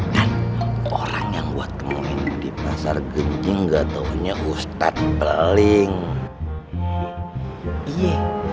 kan orang yang buat kemohonan di pasar genjing gak taunya ustadz beling iye